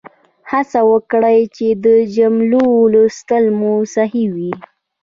هڅه وکړئ چې د جملو لوستل مو صحیح وي.